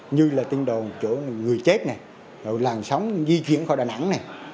như là tình đồn chỗ người chết làn sóng di chuyển khỏi đà nẵng